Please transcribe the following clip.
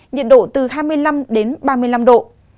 nhiệt độ từ hai mươi năm đến ba mươi năm độ